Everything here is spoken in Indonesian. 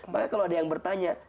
maka kalau ada yang bertanya